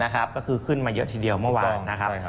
ก็คือขึ้นมาเยอะทีเดียวเมื่อวานนะครับ